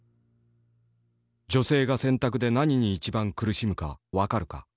「女性が洗濯で何に一番苦しむか分かるか？